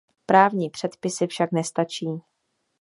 Právní předpisy však nestačí.